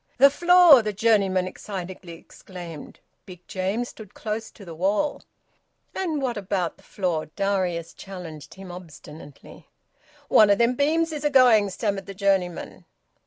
"Th' floor!" the journeyman excitedly exclaimed. Big James stood close to the wall. "And what about th' floor?" Darius challenged him obstinately. "One o' them beams is a going," stammered the journeyman.